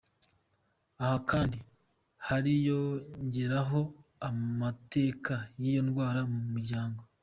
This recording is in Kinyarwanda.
Aha kandi haniyongeraho amateka y’iyo ndwara mu muryango.